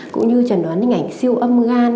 cũng như chuẩn đoán hình ảnh siêu âm gan